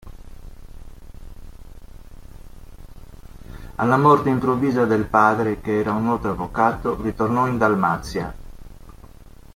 Alla morte improvvisa del padre, che era un noto avvocato, ritornò in Dalmazia.